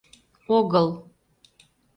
— Огыл.